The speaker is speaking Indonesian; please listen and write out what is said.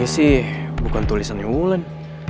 ini sih bukan tulisannya wulan